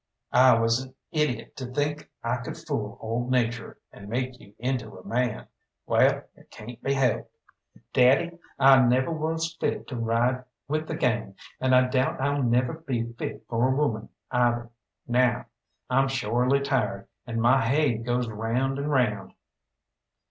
"I was an idiot to think I could fool old Nature, and make you into a man. Wall, it cayn't be helped." "Daddy, I never was fit to ride with the gang, and I doubt I'll never be fit for a woman, either, now. I'm shorely tired, and my haid goes round and round."